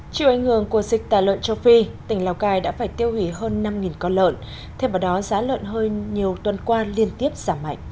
chiều ảnh hưởng của dịch tà lợn châu phi tỉnh lào cai đã phải tiêu hủy hơn năm con lợn thêm vào đó giá lợn hơi nhiều tuần qua liên tiếp giảm mạnh